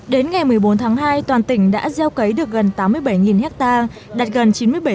đến ngày một mươi bốn tháng hai toàn tỉnh đã gieo cấy được gần tám mươi bảy ha đạt gần chín mươi bảy